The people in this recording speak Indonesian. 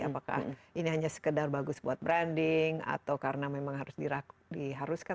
apakah ini hanya sekedar bagus buat branding atau karena memang harus diharuskan